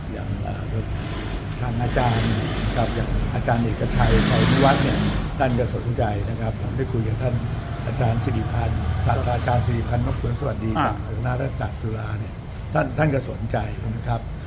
อย่างทางอาจารย์อย่างอาจารย์เอกชัยของที่วัดเนี่ยท่านก็สนใจนะครับผมได้คุยกับท่านอาจารย์สิริพรรณสวัสดีกับอุณหาศาสตร์ธุระเนี่ยท่านก็สนใจนะครับ